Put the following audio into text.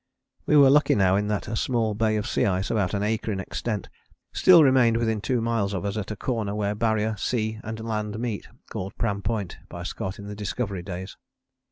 We were lucky now in that a small bay of sea ice, about an acre in extent, still remained within two miles of us at a corner where Barrier, sea, and land meet, called Pram Point by Scott in the Discovery days.